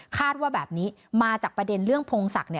ว่าแบบนี้มาจากประเด็นเรื่องพงศักดิ์